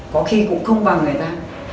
có khi cũng không bằng người ta